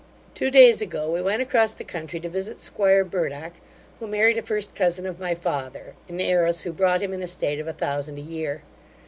Two days ago we went across the country to visit 'squire Burdock, who married a first cousin of my father, an heiress, who brought him an estate of a thousand a year.